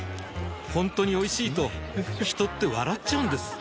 ほんとにおいしいと人って笑っちゃうんです